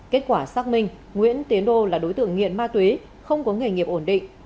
kết quả xác minh nguyễn tiến đô là đối tượng nghiện ma túy không có nghề nghiệp ổn định